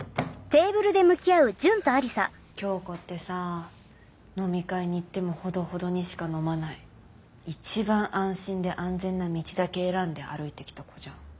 響子ってさ飲み会に行ってもほどほどにしか飲まない一番安心で安全な道だけ選んで歩いてきた子じゃん。